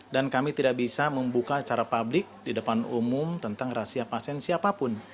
dan kami tidak bisa membuka secara publik di depan umum tentang rasia pasien siapapun